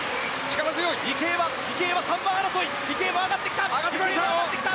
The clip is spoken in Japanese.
池江は３番争い池江も上がってきた。